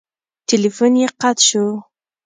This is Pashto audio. تیلفون یې قطع شو.